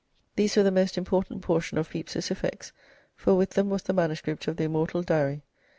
These were the most important portion of Pepys's effects, for with them was the manuscript of the immortal Diary.